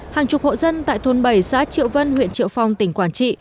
hàng chục hộ dân tại thôn bảy xã triệu vân huyện triệu phong tỉnh quảng trị